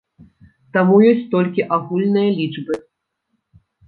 Таму ёсць толькі агульныя лічбы.